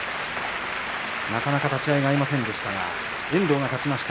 なかなか立ち合い、合いませんでしたが、遠藤が勝ちました。